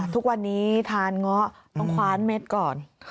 ทุกวันนี้ทานเงาะต้องคว้านเม็ดก่อน